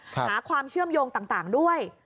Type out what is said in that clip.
หาความเชื่อมโยงต่างด้วย